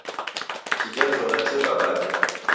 Chija chonda chebabaja.